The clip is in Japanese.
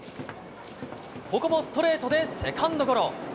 ここもストレートでセカンドゴロ。